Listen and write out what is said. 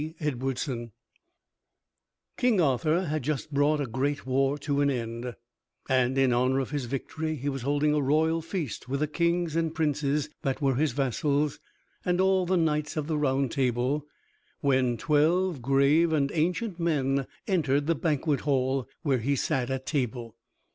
EDWARDSON King Arthur had just brought a great war to an end, and in honor of his victory he was holding a royal feast with the kings and princes that were his vassals and all the knights of the Round Table, when twelve grave and ancient men entered the banquet hall where he sat at table.